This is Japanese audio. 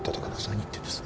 何言ってんです